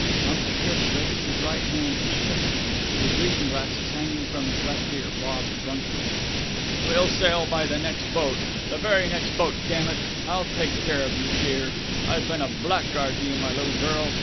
Uncle Chris raised his right hand, and shook it. His reading glasses, hanging from his left ear, bobbed drunkenly. "We'll sail by the next boat! The very next boat, dammit! I'll take care of you, dear. I've been a blackguard to you, my little girl.